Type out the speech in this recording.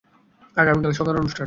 আগামীকাল সকালে অনুষ্ঠান।